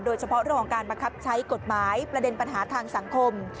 โดยเฉพาะเรื่องของการบังคับใช้กฎหมายประเด็นปัญหาทางสังคม